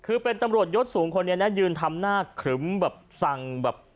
คือเป็นตำรวจยศสูงคนนี้นะยืนทำหน้าครึ้มแบบสั่งแบบ